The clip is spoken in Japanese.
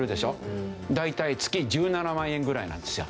大体月１７万円ぐらいなんですよ。